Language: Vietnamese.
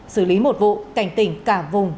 xử lý một vụ cảnh tỉnh cả vùng